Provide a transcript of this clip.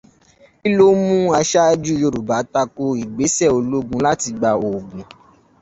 Kí ló mú aṣáájú Yorùbá tako ìgbésẹ ológun láti gbà Ògùn?